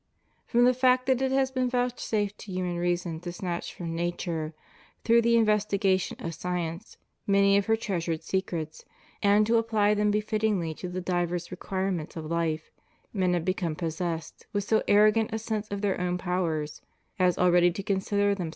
From the fact that it has been vouchsafed to human reason to snatch from nature, through the investigations of science, many of her treasured secrets and to apply them befittingly to the divers requirements of life, men have become possessed with so arrogant a sense of their own powers, as already to consider them ^ Tit.